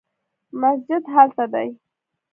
مسجد هلته دی